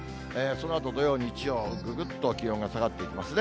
そのあと土曜、日曜、ぐぐっと気温下がっていきますね。